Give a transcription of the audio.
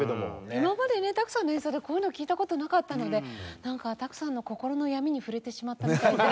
今までね多久さんの演奏でこういうのを聴いた事なかったのでなんか多久さんの心の闇に触れてしまったみたいで。